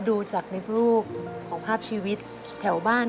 ดูจากในรูปของภาพชีวิตแถวบ้าน